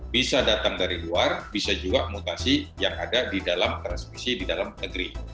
bisa datang dari luar bisa juga mutasi yang ada di dalam transmisi di dalam negeri